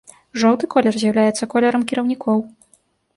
Жоўты колер з'яўляецца колерам кіраўнікоў.